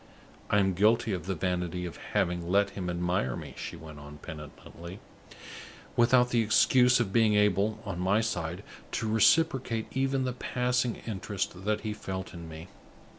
"I am guilty of the vanity of having let him admire me," she went on, penitently, "without the excuse of being able, on my side, to reciprocate even the passing interest that he felt in me.